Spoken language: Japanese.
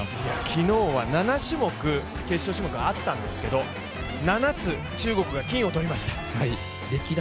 昨日は７種目、決勝種目があったんですけど７つ中国が金を取りました。